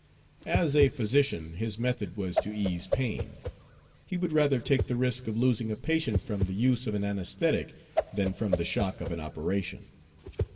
As a physician his method was to ease pain he would rather take the risk of losing a patient from the use of an anaesthetic than from the shock of an operation.